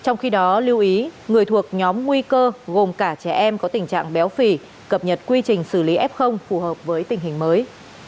nóng nguy cơ gồm cả trẻ em có tình trạng béo phì cập nhật quy trình xử lý f phù hợp với tình hình mới